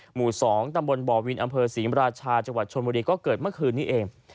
หมู่๒ตำบลบ่อวินอำเภอศรีมราชาจังหวัดชนบุรีก็เกิดเมื่อคืนนี้เอง